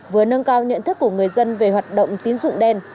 với nâng cao nhận thức của người dân về hoạt động tiến dụng đen